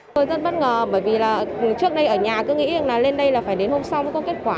tôi rất bất ngờ bởi vì là trước đây ở nhà cứ nghĩ rằng là lên đây là phải đến hôm sau mới có kết quả